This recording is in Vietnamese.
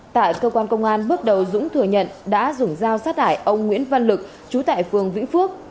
tại cơ quan công an bước đầu dũng thừa nhận đã dùng dao sát hại ông nguyễn văn lực trú tại phường vĩnh phước